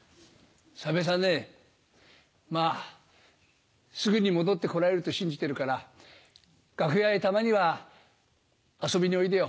三平さんねまぁすぐに戻って来られると信じてるから楽屋へたまには遊びにおいでよ。